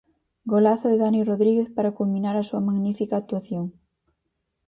Golazo de Dani Rodríguez para culminar a súa magnífica actuación.